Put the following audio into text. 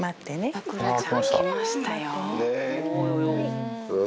サクラちゃん来ましたよ。